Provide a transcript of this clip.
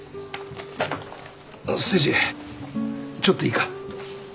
ちょっといいか？